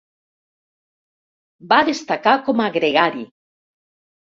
Va destacar com a gregari.